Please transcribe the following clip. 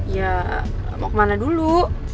ya mau kemana dulu